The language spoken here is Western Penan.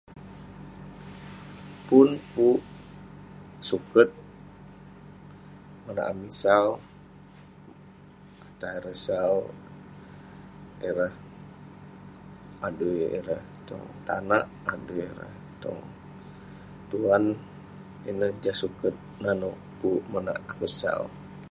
Pun pu'uk suket monak amik sau, atah erei sau ireh adui ireh tong tanak ,adui ireh tong tuan. Ineh jah suket naneuk pu'uk monak akeuk sau.